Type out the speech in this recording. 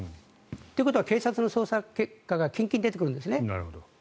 ということは警察の捜査結果が近々出てくるんですね。